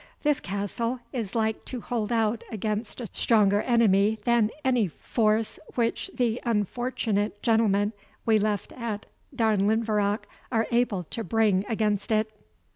This castle is like to hold out against a stronger enemy than any force which the unfortunate gentlemen we left at Darnlinvarach are able to bring against it."